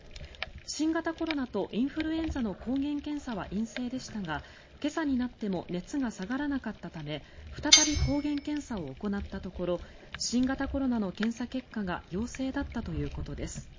新型コロナとインフルエンザの抗原検査は陰性でしたが今朝になっても熱が下がらなかったため再び抗原検査を行ったところ新型コロナの検査結果が陽性だったということです。